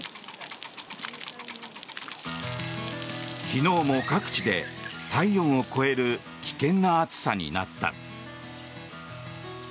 昨日も各地で体温を超える危険な暑さになった。